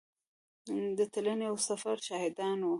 د تلنې او سفر شاهدان وو.